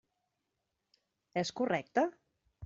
És correcte?